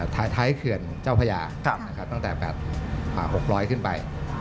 ท้ายเขื่อนเจ้าพญาตั้งแต่๖๐๐ขึ้นไป